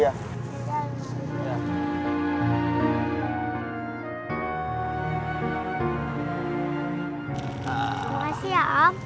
makasih ya om